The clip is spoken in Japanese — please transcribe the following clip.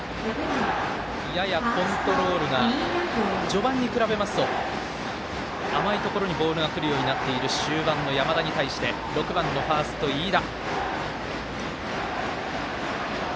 ややコントロールが序盤に比べますと甘いところにボールがくるようになっている終盤の山田に対して６番、ファースト、飯田。